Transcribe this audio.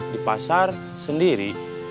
di pasar sendiri